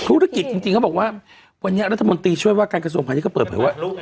ธุรกิจจริงเขาบอกว่าวันนี้รัฐมนตรีช่วยว่าการกระทรวงพาณิชก็เปิดเผยว่า